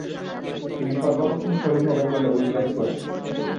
তিনি সর্বপ্রথম শহীদ হবেন বলে উল্লেখ করেন।